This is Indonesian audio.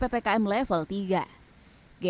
penyelenggara dari pemerintah tni dan tni pkm level tiga